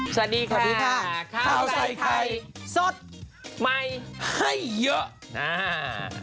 สวัสดีค่ะสวัสดีค่ะข้าวใส่ไข่สดใหม่ให้เยอะอ่า